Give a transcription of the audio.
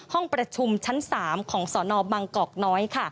ห้องประชุมชั้น๓ของสนบังกอกน้อย